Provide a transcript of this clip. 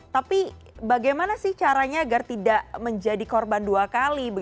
tapi bagaimana sih caranya agar tidak menjadi korban dua kali